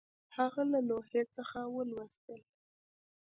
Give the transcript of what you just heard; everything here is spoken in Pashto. هغه له لوحې څخه ولوستل